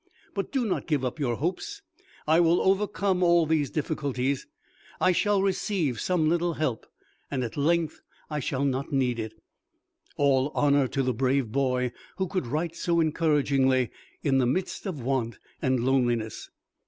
But do not give up your hopes. I will overcome all these difficulties. I shall receive some little help, and at length I shall not need it." All honor to the brave boy who could write so encouragingly in the midst of want and loneliness!